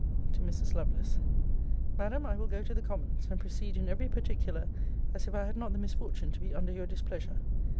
TO MRS. LOVELACE MADAM, I will go to the Commons, and proceed in every particular as if I had not the misfortune to be under your displeasure.